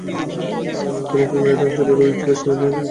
তোমার কি metal shop with ফিশম্যানের সাব্জেক্ট ছিলো?